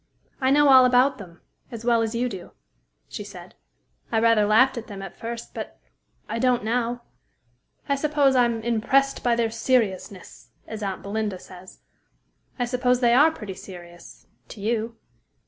"I know all about them, as well as you do," she said. "I rather laughed at them at first, but I don't now. I suppose I'm 'impressed by their seriousness,' as aunt Belinda says. I suppose they are pretty serious to you."